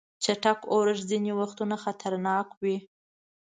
چټک اورښت ځینې وختونه خطرناک وي.